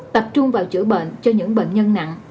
tập trung vào chữa bệnh cho những bệnh nhân nặng